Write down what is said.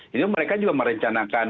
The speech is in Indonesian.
jadi mereka juga merencanakan